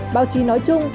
báo chí nói chung